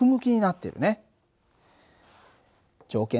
条件